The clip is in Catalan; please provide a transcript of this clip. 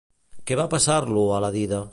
Què va passar-lo a la dida?